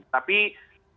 penentuan ambang batas